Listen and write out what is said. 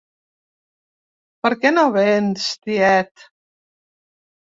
Per què no vens, tiet?